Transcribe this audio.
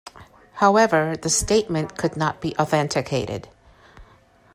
However, the statement could not be authenticated.